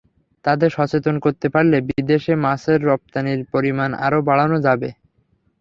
তাঁদের সচেতন করতে পারলে বিদেশে মাছের রপ্তানির পরিমাণ আরও বাড়ানো যাবে।